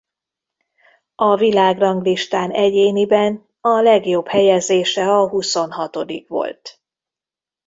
A világranglistán egyéniben a legjobb helyezése a huszonhatodik volt.